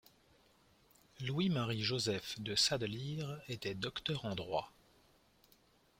Louis Marie Joseph De Sadeleer était docteur en droit.